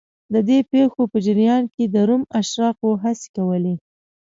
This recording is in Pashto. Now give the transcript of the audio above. د دې پېښو په جریان کې د روم اشرافو هڅې کولې